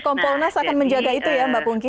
berarti komponens akan menjaga itu ya mbak punggih